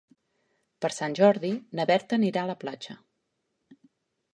Per Sant Jordi na Berta anirà a la platja.